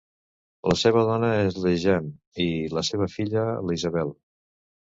La seva dona és la Jean i la seva filla la Isabel.